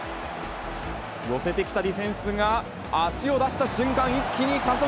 寄せてきたディフェンスが足を出した瞬間、一気に加速。